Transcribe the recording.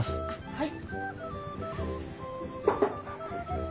はい。